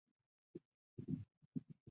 困难不会自动消失